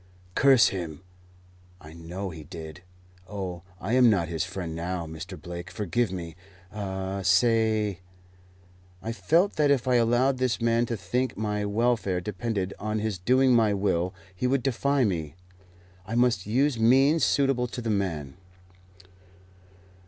"Curse him! I know he did. Oh, I am not his friend now. Mr. Blake, forgive me. Ah, say " I felt that if I allowed this man to think my welfare depended on his doing my will, he would defy me. I must use means suitable to the man.